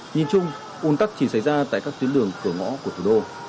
nhìn chung un tắc chỉ xảy ra tại các tuyến đường cửa ngõ của thủ đô